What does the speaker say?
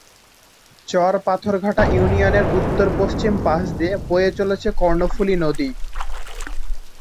চর পাথরঘাটা ইউনিয়নের উত্তর-পশ্চিম পাশ দিয়ে বয়ে চলেছে কর্ণফুলী নদী।